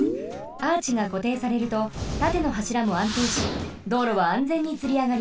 アーチがこていされるとたてのはしらもあんていし道路はあんぜんにつりあがります。